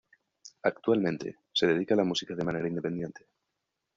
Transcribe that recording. Actualmente, se dedica a la música de manera independiente.